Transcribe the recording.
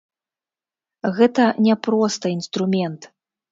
Гэта не проста інструмент.